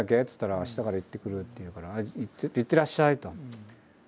っつったら「明日から行ってくる」って言うから「いってらっしゃい」と。